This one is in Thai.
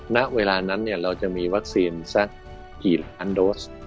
ณเวลานั้นเราจะมีวัคซีนสักกี่ล้านโดส